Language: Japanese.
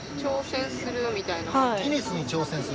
ギネスに挑戦する？